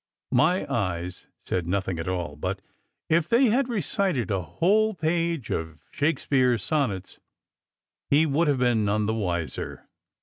My eyes said nothing at all, but if they had recited a whole page of Shakespeare s sonnets he would have been none the wiser.